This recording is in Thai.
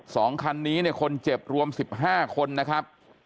สองคันนี้เนี่ยคนเจ็บรวมสิบห้าคนนะครับ